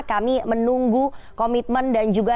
kami menunggu komitmen dan juga